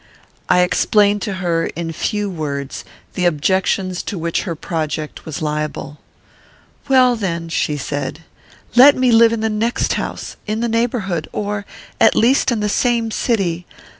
I explained to her, in few words, the objections to which her project was liable. "Well, then," said she, "let me live in the next house, in the neighbourhood, or, at least, in the same city.